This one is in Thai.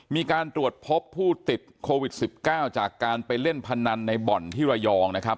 มีการตรวจพบผู้ติดโควิด๑๙จากการไปเล่นพนันในบ่อนที่ระยองนะครับ